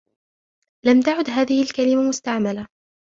لم تعد هذه الكلمة مستعملةً.